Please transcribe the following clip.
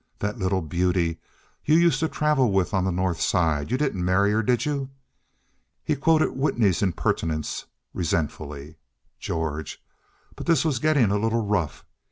"That little beauty you used to travel with on the North Side. You didn't marry her, did you?" He quoted Whitney's impertinences resentfully. George! But this was getting a little rough!